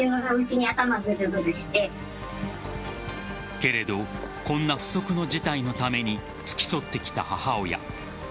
けれどこんな不測の事態のために付き添ってきた母親。